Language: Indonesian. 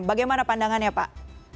bagaimana pandangannya pak